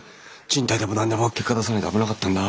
賃貸でも何でも結果出さないと危なかったんだ。